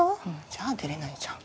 じゃあ出れないじゃん。